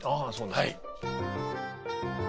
はい。